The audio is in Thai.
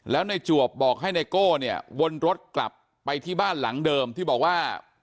แล้วในจวบบอกให้ไนโก้เนี่ยวนรถกลับไปที่บ้านหลังเดิมที่บอกว่า